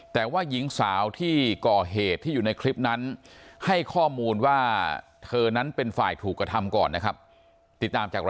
แต่ว่าหญิงสาวที่ก่อเหตุที่อยู่ในคลิปนั้นให้ข้อมูลว่าเธอนั้นเป็นฝ่ายถูกกระทำก่อนนะครับ